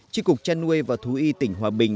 tri cục chăn nuôi và thú y tỉnh hòa bình